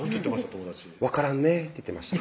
友達「分からんね」って言ってました